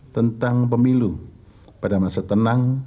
tentang pemilu pada masa tenang